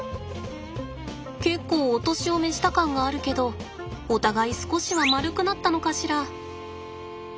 結構お年を召した感があるけどお互い少しはまるくなったのかしら？